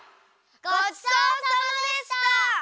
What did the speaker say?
ごちそうさまでした！